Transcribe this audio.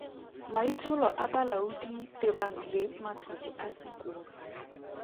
Maitsholo a Balaodi tebang le matlole a sekolo.